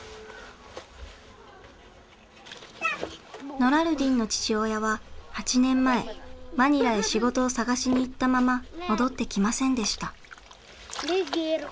ノラルディンの父親は８年前マニラへ仕事を探しに行ったまま戻ってきませんでした。